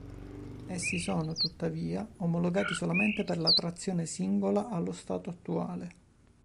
Essi sono, tuttavia, omologati solamente per la trazione singola allo stato attuale.